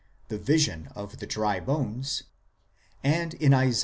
(the vision of the dry bones), and in Isa.